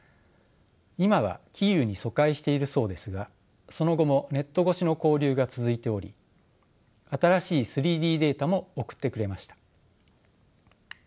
いまはキーウに疎開しているそうですがその後もネット越しの交流が続いており新しい３Ｄデータも送ってくれました。